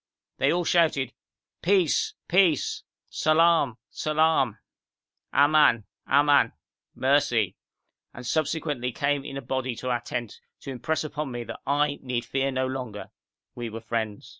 They all shouted 'Peace! peace!' (salaam! salaam!) 'aman! aman!' (mercy!) and subsequently came in a body to our tent to impress upon me that I need fear no longer we were friends.